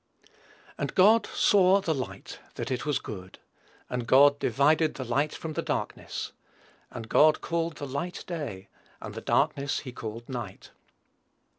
"And God saw the light, that it was good: and God divided the light from the darkness. And God called the light Day, and the darkness he called Night."